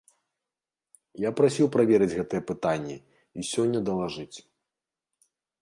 Я прасіў праверыць гэтыя пытанні і сёння далажыць.